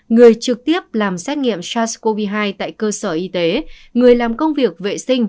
người trực tiếp làm xét nghiệm sars cov hai tại cơ sở y tế người làm công việc vệ sinh